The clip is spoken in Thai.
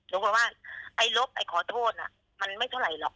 รู้ไหมว่าไอ้ลบไอ้ขอโทษมันไม่เท่าไรหรอก